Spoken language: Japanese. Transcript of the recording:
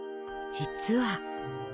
実は。